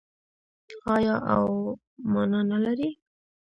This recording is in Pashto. آیا او مانا نلري؟